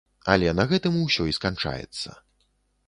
Але на гэтым усё і сканчаецца.